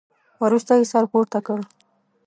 وروسته يې سر پورته کړ.